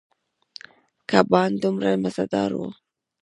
کبان دومره مزدار ووـ.